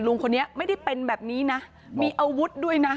ลุงคนนี้ไม่ได้เป็นแบบนี้นะมีอาวุธด้วยนะ